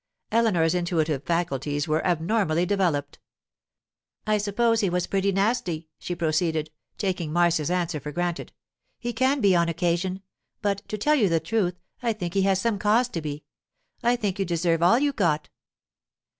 Eleanor's intuitive faculties were abnormally developed. 'I suppose he was pretty nasty,' she proceeded, taking Marcia's answer for granted. 'He can be on occasion. But, to tell you the truth, I think he has some cause to be. I think you deserve all you got.